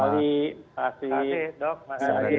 pak wali pak hati dok mas yadil